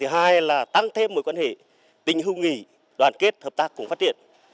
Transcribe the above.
hai là tăng thêm mối quan hệ tình hữu nghị đoàn kết hợp tác cùng phát triển